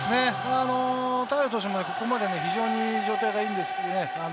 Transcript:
平良投手もここまで非常に状態がいいんですね。